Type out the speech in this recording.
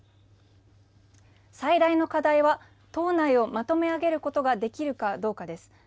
最大の課題は党内をまとめあげることができるかどうかです。